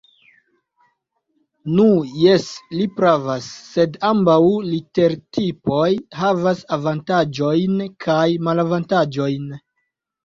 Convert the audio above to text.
Nu jes, li pravas; sed ambaŭ litertipoj havas avantaĝojn kaj malavantaĝojn.